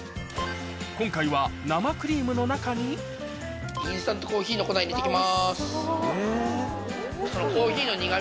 今回は生クリームの中にインスタントコーヒーの粉入れて行きます。